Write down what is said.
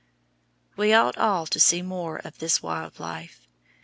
We ought all to see more of this wildlife.